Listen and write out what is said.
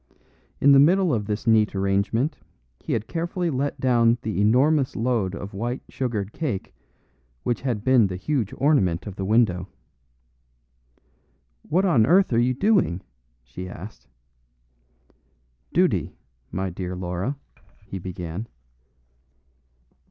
In the middle of this neat arrangement he had carefully let down the enormous load of white sugared cake which had been the huge ornament of the window. "What on earth are you doing?" she asked. "Duty, my dear Laura," he began.